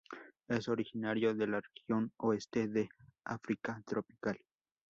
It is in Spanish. Es originario de la región oeste del África tropical.